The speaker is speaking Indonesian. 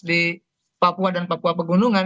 di papua dan papua pegunungan